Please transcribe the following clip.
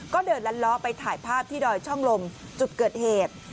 ก็เดินลั้นล้อไปถ่ายภาพที่ดอยช่องลมจุดเกิดเหตุ